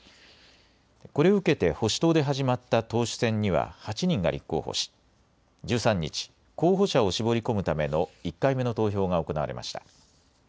これを受けて保守党で始まった党首選には８人が立候補し、１３日、候補者を絞り込むための１回目の投票が行われました。